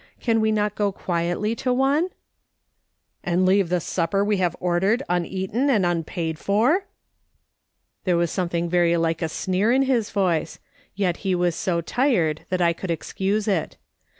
Can we not go quietly to one ?"" And leave the supper we have ordered uneaten and unpaid for ?" There was something very like a sneer in his voice, yet he was so tired that I could excuse it.